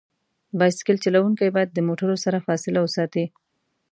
بایسکل چلونکي باید د موټرو سره فاصله وساتي.